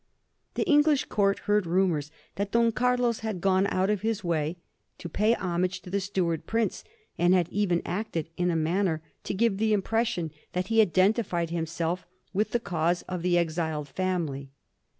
The English Court heard rumors that Don Carlos had gone out of his way to pay homage to the Stuart prince, and had even acted in a manner to give the impression that he identified himself with the cause of the exiled family.